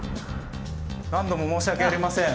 何度も申し訳ありません。